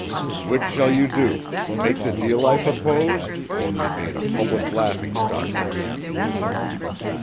"Which shall you do—make the deal I proposed or be made a public laughingstock again?"